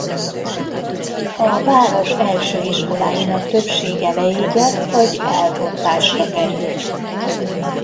A város első iskoláinak többsége leégett vagy elbontásra került.